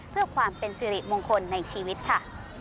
เพื่อความเป็นสิริมงคลในชีวิตค่ะ